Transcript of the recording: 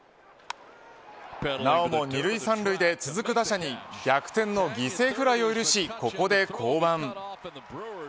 なおも２塁３塁で続く打者に逆転の犠牲フライを許しここで降板。